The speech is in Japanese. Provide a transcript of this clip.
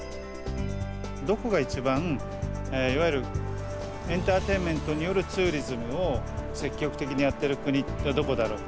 どこが一番いわゆるエンターテインメントによるツーリズムを積極的にやっている国はどこだろうか。